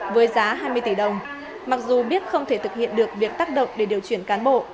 với giá hai mươi tỷ đồng mặc dù biết không thể thực hiện được việc tác động để điều chuyển cán bộ